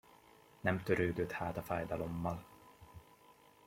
Nem törődött hát a fájdalommal.